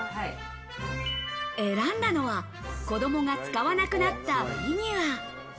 選んだのは子供が使わなくなったフィギュア。